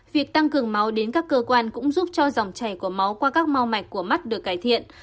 việc tăng cường máu đến các cơ quan cũng giúp cho dòng chảy của máu qua các mau mạch của mắt được cải thiện